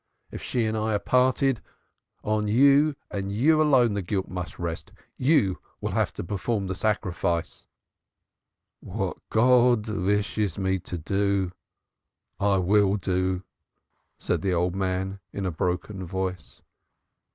If she and I are parted, on you and you alone the guilt must rest. You will have to perform the sacrifice." "What God wishes me to do I will do," said the old man in a broken voice.